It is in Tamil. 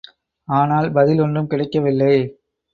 ஆனால், பதில் ஒன்றும் கிடைக்கவில்லை.